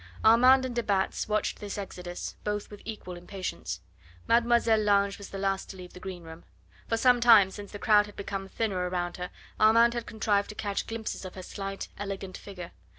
Armand and de Batz watched this exodus, both with equal impatience. Mlle. Lange was the last to leave the green room. For some time, since the crowd had become thinner round her, Armand had contrived to catch glimpses of her slight, elegant figure.